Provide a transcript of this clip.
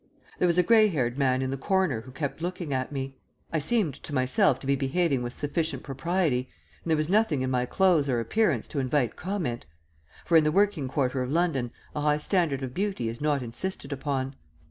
There was a grey haired man in the corner who kept looking at me. I seemed to myself to be behaving with sufficient propriety, and there was nothing in my clothes or appearance to invite comment; for in the working quarter of London a high standard of beauty is not insisted upon.